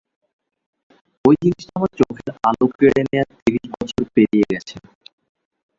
ওই জিনিসটা আমার চোখের আলো কেড়ে নেওয়ার তিরিশ বছর পেরিয়ে গেছে।